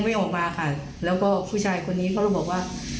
แต่พอดีออกยังไม่ออกมาค่ะแล้วก็ผู้ชายคนนี้เขาบอกว่า